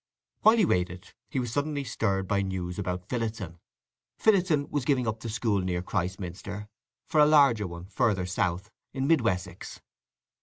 While he waited he was suddenly stirred by news about Phillotson. Phillotson was giving up the school near Christminster, for a larger one further south, in Mid Wessex.